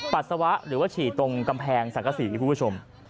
ปัสสาวะหรือว่าฉี่ตรงกำแพงสังกษีคุณผู้ชม